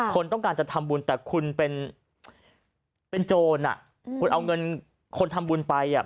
คนต้องการจะทำบุญแต่คุณเป็นโจรอ่ะคุณเอาเงินคนทำบุญไปอ่ะ